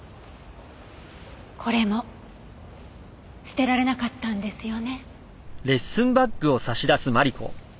これも捨てられなかったんですよね？